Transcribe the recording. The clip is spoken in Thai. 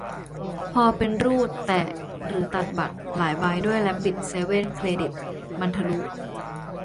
พอเป็นรูด แตะ หรือตัดบัตร หลายใบด้วย แรบบิต เซเว่น เครดิต มันทะลุ